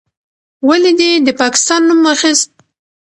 ولې دې د پاکستان نوم واخیست؟